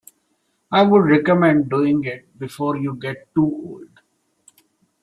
I would recommend doing it before you get too old.